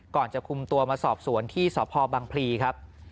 ก่อนจะคุมตัวมาสอบสวนที่สพบังพลีครับ